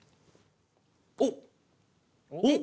おっ！